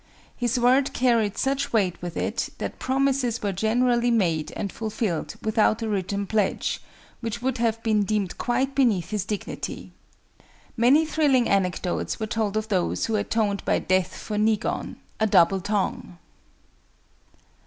His word carried such weight with it that promises were generally made and fulfilled without a written pledge, which would have been deemed quite beneath his dignity. Many thrilling anecdotes were told of those who atoned by death for ni gon, a double tongue.